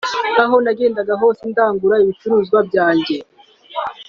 Aho nagendaga hose ndangura ibicuruzwa byanjye